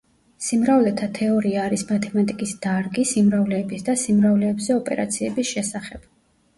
სიმრავლეთა თეორია არის მათემატიკის დარგი სიმრავლეების და სიმრავლეებზე ოპერაციების შესახებ.